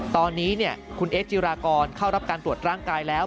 ตอนนี้คุณเอสจิรากรเข้ารับการตรวจร่างกายแล้ว